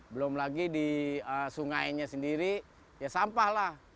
belum lagi di sungainya sendiri ya sampah lah